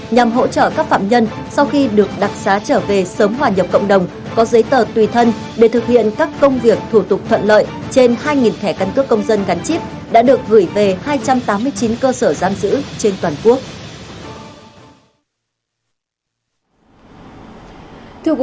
nhằm hỗ trợ các phạm nhân sau khi được đặc xá trở về sớm hòa nhập cộng đồng có giấy tờ tùy thân để thực hiện các công việc thủ tục thuận lợi trên hai thẻ căn cước công dân gắn chip đã được gửi về hai trăm tám mươi chín cơ sở giam giữ trên toàn quốc